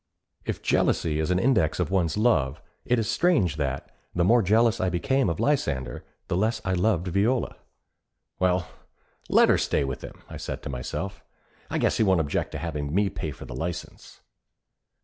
If jealously is an index of one's love, it is strange that, the more jealous I became of Lysander, the less I loved Viola. 'Well, let her stay with him,' I said to myself. 'I guess he won't object to having me pay for the license.'